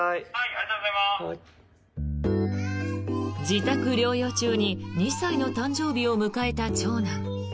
自宅療養中に２歳の誕生日を迎えた長男。